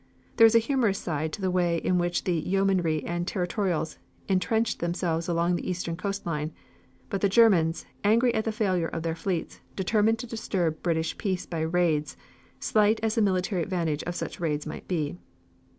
There was a humorous side to the way in which the yeomanry and territorials entrenched themselves along the eastern coast line, but the Germans, angry at the failure of their fleets, determined to disturb the British peace by raids, slight as the military advantage of such raids might be.